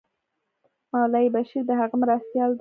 مولوي بشیر د هغه مرستیال دی.